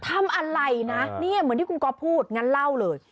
ทำอะไรนะเนี่ยเหมือนที่คุณก๊อฟพูดงั้นเล่าเลย